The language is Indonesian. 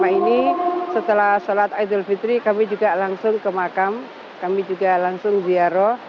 dan kemudian setelah sholat eid al fitri kami juga langsung ke makam kami juga langsung ziaroh